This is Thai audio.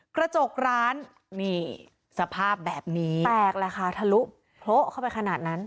กระจกร้านนี่สภาพแบบนี้แตกแหละค่ะทะลุโพะเข้าไปขนาดนั้น